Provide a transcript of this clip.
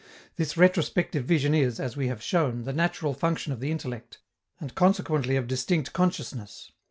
This retrospective vision is, as we have shown, the natural function of the intellect, and consequently of distinct consciousness.